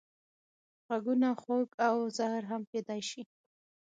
غږونه خوږ او زهر هم کېدای شي